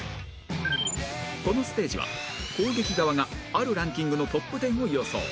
このステージは攻撃側があるランキングのトップ１０を予想